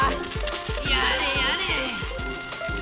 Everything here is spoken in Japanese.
やれやれ。